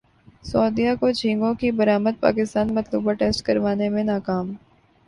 سعودیہ کو جھینگوں کی برامد پاکستان مطلوبہ ٹیسٹ کروانے میں ناکام